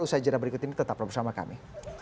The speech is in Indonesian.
usaha jadwal berikut ini tetap bersama kami